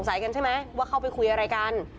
เมื่อที่คนสงสัยใช่ไหมว่าเข้าไปคุยอะไรกัน